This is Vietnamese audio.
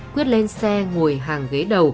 quyết lên xe ngồi hàng ghế đầu